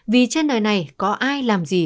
vì trên đời này có ai làm gì